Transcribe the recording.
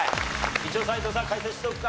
一応斎藤さん解説しておくか？